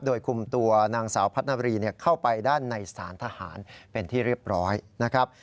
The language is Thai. โดยคุมตัวนางสาวพัฒนารีเข้าไปด้านในสารทหารเป็นที่เรียบร้อยนะครับ